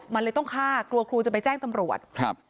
มันเลยต้องฆ่ากลัวครูจะไปแจ้งตำรวจครับ